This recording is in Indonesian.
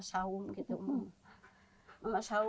saya tidak tahu saya tidak tahu